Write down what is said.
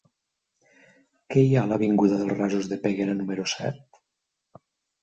Què hi ha a l'avinguda dels Rasos de Peguera número set?